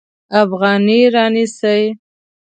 افغانۍ رانیسي.